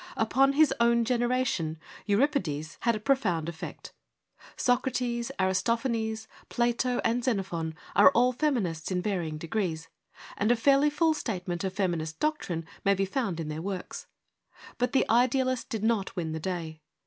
Upon his own generation Euripides had a pro 4 FEMINISM IN GREEK LITERATURE found effect. Socrates, Aristophanes, Plato, and Xenophon are all feminists in varying degrees, and a fairly full statement of feminist doctrine may be found in their works. But the idealist did not win the day.